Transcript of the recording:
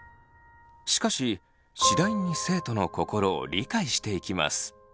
しかし次第に生徒の心を理解していきます。